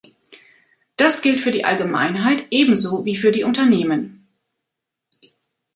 Das gilt für die Allgemeinheit ebenso wie für die Unternehmen.